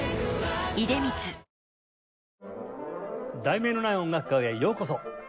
『題名のない音楽会』へようこそ。